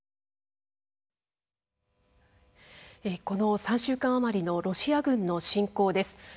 この３週間余りのロシア軍の侵攻です。